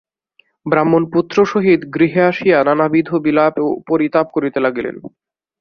ব্রাহ্মণ পুত্র সহিত গৃহে আসিয়া নানাবিধ বিলাপ ও পরিতাপ করিতে লাগিলেন।